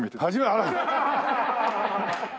あら！